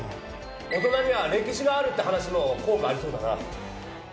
大人には「歴史がある」って話も効果ありそうだな。